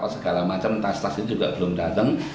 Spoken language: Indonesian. segala macam tas tas ini juga belum datang